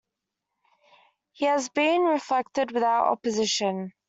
He has been reflected without opposition.